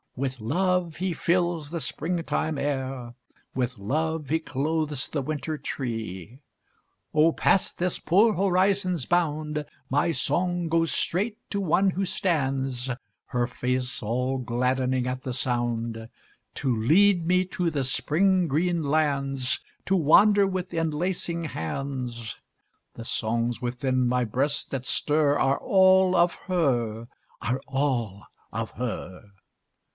With Love he fills the Spring time air; With Love he clothes the Winter tree. Oh, past this poor horizon's bound My song goes straight to one who stands Her face all gladdening at the sound To lead me to the Spring green lands, To wander with enlacing hands. The songs within my breast that stir Are all of her, are all of her.